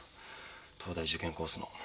東大受験コースの。